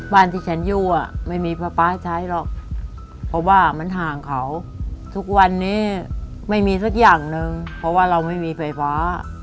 บ้านที่ฉันอยู่ไม่มีป๊าป๊าใช้หรอกเพราะว่ามันห่างเขาทุกวันนี้ไม่มีสักอย่างหนึ่งเพราะว่าเราไม่มีไฟฟ้า